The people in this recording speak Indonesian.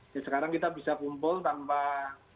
ya sekarang kita bisa kumpul tanpa ada barang